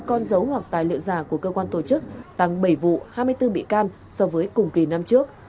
con dấu hoặc tài liệu giả của cơ quan tổ chức tăng bảy vụ hai mươi bốn bị can so với cùng kỳ năm trước